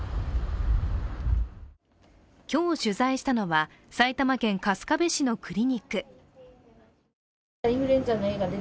今日、取材したのは埼玉県春日部市のクリニック。